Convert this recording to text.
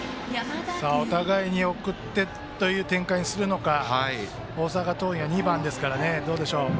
お互いに送ってという展開にするのか大阪桐蔭は次、２番ですからどうでしょうね。